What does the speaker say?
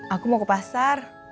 aku mau ke pasar